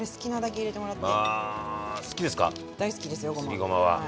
すりごまは。